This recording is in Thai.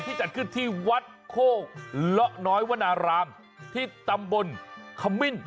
จัดขึ้นที่วัดโคกเลาะน้อยวนารามที่ตำบลขมิ้น